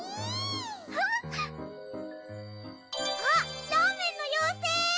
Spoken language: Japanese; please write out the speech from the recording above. あっラーメンの妖精！